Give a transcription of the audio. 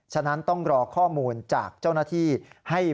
ฉะนั้นต้องรอข้อมูลจากเจ้าหน้าที่